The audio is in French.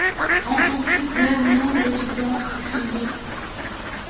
Entends-tu clairement l’évidence crier ?